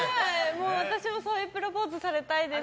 もう、私もそういうプロポーズされたいです